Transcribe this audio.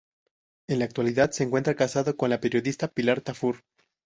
En la actualidad se encuentra casado con la periodista Pilar Tafur.